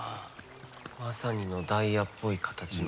まさにダイヤっぽい形の。